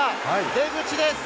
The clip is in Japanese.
出口です。